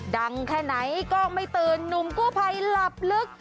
ดังแค่ไหนกล้องไม่ตื่นหนุ่มกู้ไพหลับลึก